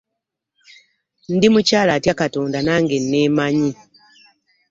Ndi mukyala atya Katonda nange nneemanyi.